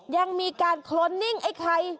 ยังมีการโคลนนิ่งไอ้ไข่